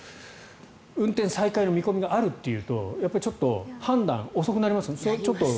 運転再開の見込みがあるというとちょっと判断が遅くなりますよね。